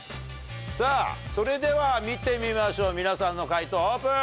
さぁそれでは見てみましょう皆さんの解答オープン。